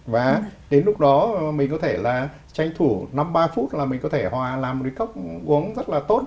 và đến lúc đó mình có thể là tranh thủ năm ba phút là mình có thể hòa làm một cái cốc uống rất là tốt